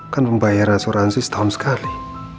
kan pembayaran asuransi setahun sekali